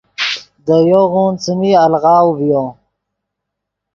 دے یوغون څیمی الغاؤ ڤیو۔